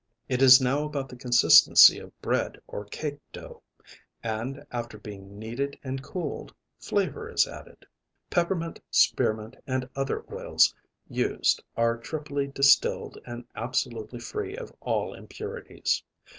It is now about the consistency of bread or cake dough, and after being kneaded and cooled, flavor is added. Peppermint, spearmint and other oils used are triply distilled and absolutely free of all impurities.